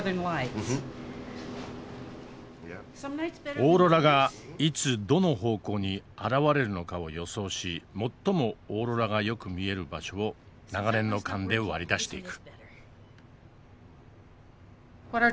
オーロラがいつどの方向に現れるのかを予想し最もオーロラがよく見える場所を長年の勘で割り出していく。